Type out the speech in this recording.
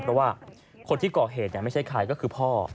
เพราะว่าคนที่ก่อเหตุไม่ใช่ใครก็คือพ่อ